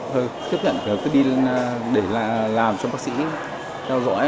thôi tiếp nhận cứ đi lên để làm cho bác sĩ theo dõi